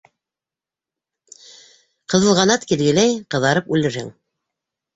Ҡыҙылғанат килгеләй —ҡыҙарып үлерһең.